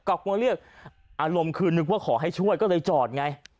อารมณ์คืนนึกว่าขอให้ช่วยก็เลยจอดไง